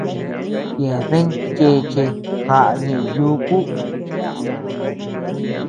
Yeaben chéche jaʼa ñee yuku.